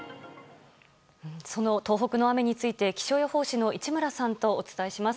その東北の雨について気象予報士の市村さんとお伝えします。